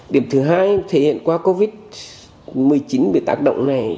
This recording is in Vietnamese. điểm thứ hai thể hiện qua covid một mươi chín bị tác động này